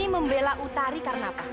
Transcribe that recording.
membela utari karena apa